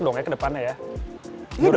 dong ya ke depannya ya